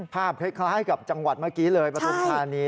คล้ายกับจังหวัดเมื่อกี้เลยปฐุมธานี